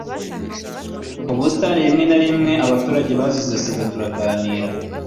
ubusitani rimwe na rimwe; abaturage bazize sida turaganira